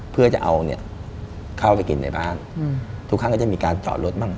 เพื่อจะเอาเนี่ยเข้าไปกินในบ้านทุกครั้งก็จะมีการจอดรถบ้าง